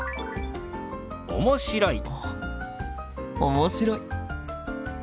面白い。